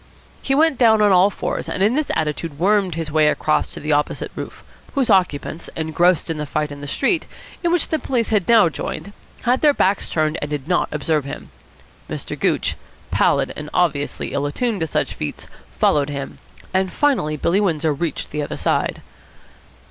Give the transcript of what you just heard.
He went down on all fours, and in this attitude wormed his way across to the opposite roof, whose occupants, engrossed in the fight in the street, in which the police had now joined, had their backs turned and did not observe him. Mr. Gooch, pallid and obviously ill attuned to such feats, followed him; and finally Billy Windsor reached the other side.